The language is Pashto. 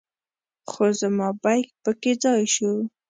خو زما بیک په کې ځای شو.